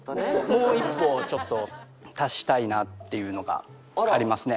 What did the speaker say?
もう一歩ちょっと足したいなっていうのがありますね。